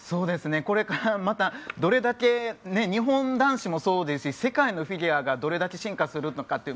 これからまたどれだけ、日本男子もそうですし世界のフィギュアがどれだけ進化するのか。